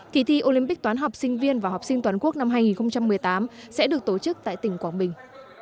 kỳ thi olympic toán học sinh viên và học sinh toàn quốc năm hai nghìn một mươi tám sẽ được tổ chức tại tỉnh quảng bình